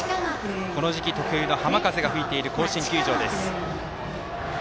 この時期特有の浜風が吹いている甲子園球場です。